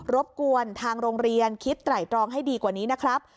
บกวนทางโรงเรียนคิดไตรตรองให้ดีกว่านี้นะครับ